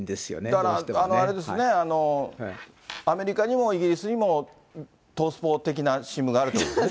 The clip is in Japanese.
だから、あれですね、アメリカにもイギリスにも、東スポ的な新聞があるってことですね。